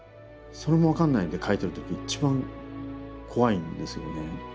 それも分かんないで書いてる時一番怖いんですよね。